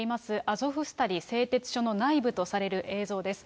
アゾフスタリ製鉄所の内部とされる映像です。